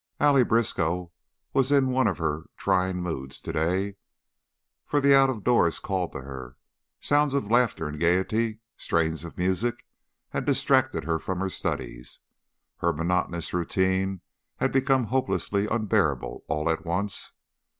Allie Briskow was in one of her trying moods to day, for the out of doors called to her. Sounds of laughter and gayety, strains of music, had distracted her from her studies, her monotonous routine had become hopelessly unbearable all at once.